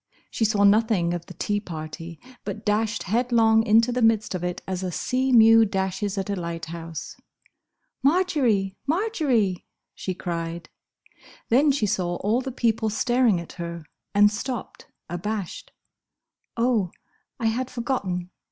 She saw nothing of the tea party, but dashed headlong into the midst of it as a sea mew dashes at a lighthouse. "Marjory! Marjory!" she cried. Then she saw all the people staring at her, and stopped, abashed. "Oh! I had forgotten!"